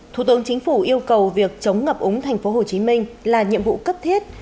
thủ tướng chính phủ yêu cầu việc chống ngập úng tp hcm là nhiệm vụ cấp thiết